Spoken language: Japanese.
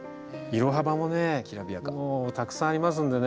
色幅もねたくさんありますんでね